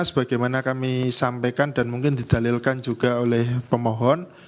sebagaimana kami sampaikan dan mungkin didalilkan juga oleh pemohon